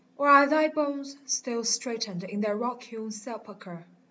or are thy bones Still straightened in their rock hewn sepulchre?